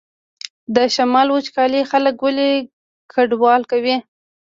د شمال وچکالي خلک ولې کډوال کوي؟